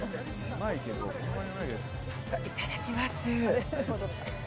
いただきます！